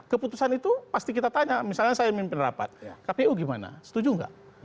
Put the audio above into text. keputusan itu pasti kita tanya misalnya saya mimpin rapat kpu gimana setuju nggak